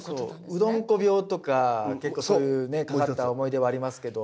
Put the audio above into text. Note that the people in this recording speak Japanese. うどんこ病とか結構そういうねかかった思い出はありますけど。